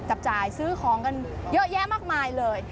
จับจ่ายซื้อของกันเยอะแยะมากมายเลย